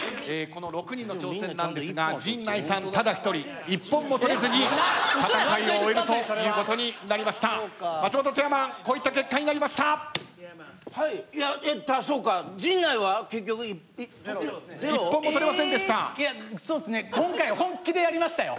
この６人の中ですが陣内さんただ１人１本も取れずに戦いを終えるということになりました、松本チェアマン陣内は結局今回本気でやりましたよ。